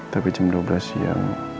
tapi jam dua belas siang